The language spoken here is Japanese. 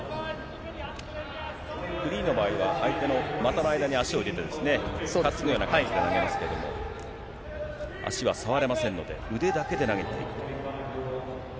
フリーの場合は相手の股の間に足を入れて、担ぐような感じで投げますけど、足は触れませんので、腕だけで投げていく。